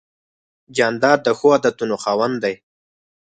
جانداد د ښو عادتونو خاوند دی.